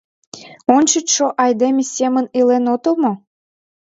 — Ончычшо айдеме семын илен отыл мо?